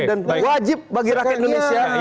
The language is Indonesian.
dan wajib bagi rakyat indonesia